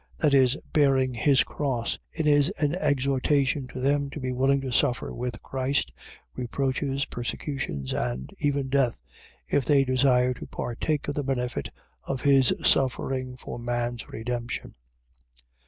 . .That is, bearing his cross. It is an exhortation to them to be willing to suffer with Christ, reproaches, persecutions, and even death, if they desire to partake of the benefit of his suffering for man's redemption.